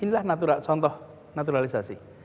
inilah contoh naturalisasi